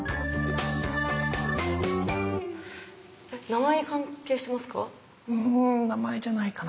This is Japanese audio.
名前に関係してますか？